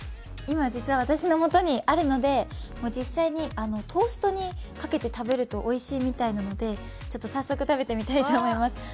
今、実は私のもとにあるので実際にトーストにかけて食べるとおいしいみたいなのでちょっと早速、食べてみたいと思います。